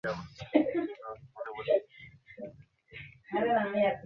বন্দর দিয়ে ষড়যন্ত্রকারীদের বিরুদ্ধে আন্দোলন শুরু করা হবে বলেও হুঁশিয়ার করেন তিনি।